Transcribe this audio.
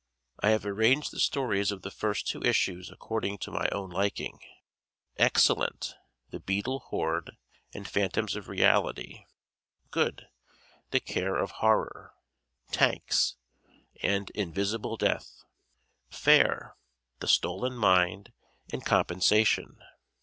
I have arranged the stories of the first two issues according to my own liking. Excellent: "The Beetle Horde" and "Phantoms of Reality." Good: "The Care of Horror," "Tanks" and "Invisible Death." Fair: "The Stolen Mind" and "Compensation."